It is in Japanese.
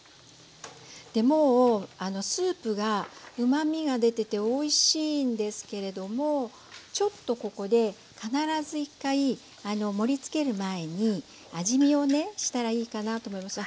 でもうスープがうまみが出てておいしいんですけれどもちょっとここで必ず１回盛りつける前に味見をねしたらいいかなと思います。